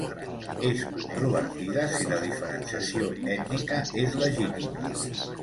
És controvertida si la diferenciació ètnica és legítima.